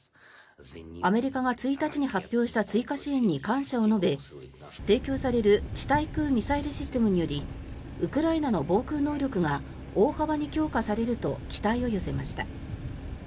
アメリカが１日に発表した追加支援に感謝を述べ提供される地対空ミサイルシステムによりウクライナの防空能力が大幅に強化されると期待を寄せました。